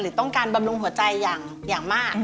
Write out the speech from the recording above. ต้องการบำรุงหัวใจอย่างมาก